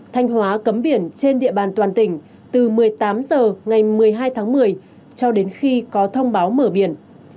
thanh hóa cấm biển trên địa bàn toàn tỉnh từ một mươi tám h ngày một mươi hai tháng một mươi cho đến khi có thông báo mở biển